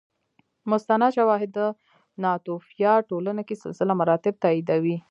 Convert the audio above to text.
مستند شواهد د ناتوفیا ټولنه کې سلسله مراتب تاییدوي